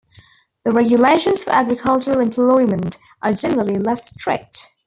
The regulations for agricultural employment are generally less strict.